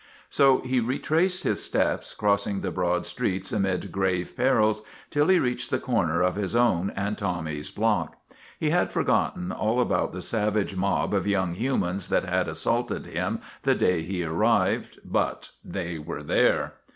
So he retraced his steps, crossing the broad streets amid grave perils, till he reached the corner of his own and Tommy's block. He had forgotten all about the savage mob of young humans that had as saulted him the day he arrived, but they were there.